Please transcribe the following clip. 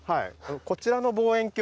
こちらの望遠鏡。